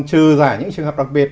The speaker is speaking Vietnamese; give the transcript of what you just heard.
trừ giả những trường hợp đặc biệt